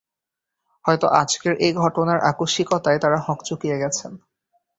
হয়তো আজকের এই ঘটনার আকস্মিকতায় তাঁরা হকচকিয়ে গেছেন।